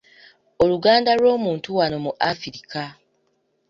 Oluganda lw’omuntu wano mu Afirika.